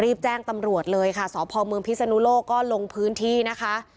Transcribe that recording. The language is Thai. รีบแจ้งตำรวจเลยค่ะสพเมืองพิศนุโลกก็ลงพื้นที่นะคะ